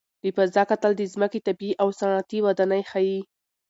له فضا کتل د ځمکې طبیعي او صنعتي ودانۍ ښيي.